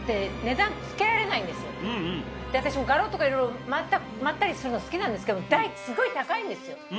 私も画廊とかいろいろ回ったりするの好きなんですけど第一すごい高いんですよ。